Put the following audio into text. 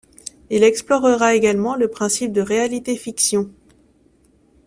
Il explorera également le principe de réalité-fiction.